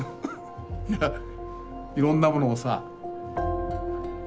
いやいろんなものをさやるのが。